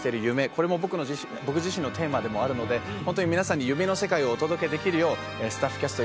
これも僕自身のテーマでもあるのでホントに皆さんに夢の世界をお届けできるようスタッフキャスト